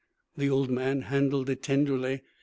The old man handled it tenderly.